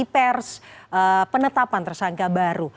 pers penetapan tersangka baru